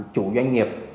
chủ doanh nghiệp